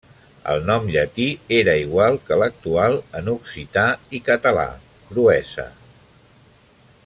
El nom llatí era igual que l'actual en occità i català Cruesa.